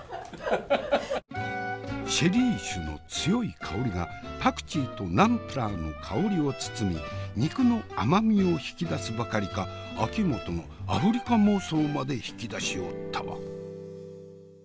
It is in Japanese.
シェリー酒の強い香りがパクチーとナンプラーの香りを包み肉の甘みを引き出すばかりか秋元のアフリカ妄想まで引き出しおったわ。